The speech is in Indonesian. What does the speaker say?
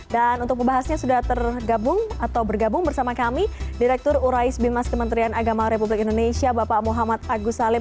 dan untuk pembahasannya sudah tergabung atau bergabung bersama kami direktur urais bimas kementerian agama republik indonesia bapak muhammad agus salim